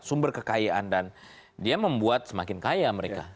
sumber kekayaan dan dia membuat semakin kaya mereka